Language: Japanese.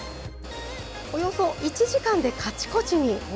およそ１時間でかちこちに。